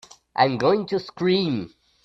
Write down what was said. I'm going to scream!